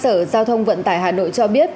sở giao thông vận tải hà nội cho biết